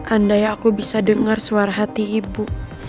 andai aku bisa dengar suara hati ibu